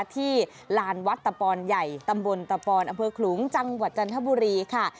ที่ลานวัดตะปอนใหญ่ตำบลตะปอนอำเภอขลุงจังหวัดจันทบุรีค่ะ